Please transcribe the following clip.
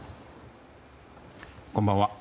こんばんは。